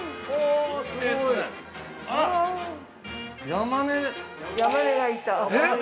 ◆山根◆山根がいた。